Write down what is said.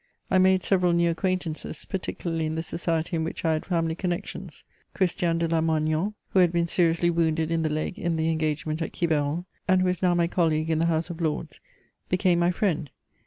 I made several new acquaintances, particularly in the society in which I had family connections: Christian de Lamoignon, who had been seriously wounded in the leg in the engagement at Quiberon, and who is now my colleague in the House of Lords, became my friend.